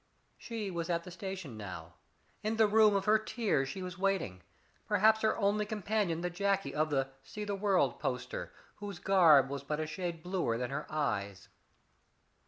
She was at the station now. In the room of her tears she was waiting; perhaps her only companion the jacky of the "See the World" poster, whose garb was but a shade bluer than her eyes.